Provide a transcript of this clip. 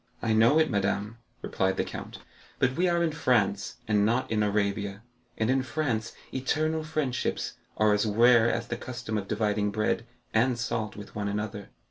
"I know it, madame," replied the count; "but we are in France, and not in Arabia, and in France eternal friendships are as rare as the custom of dividing bread and salt with one another."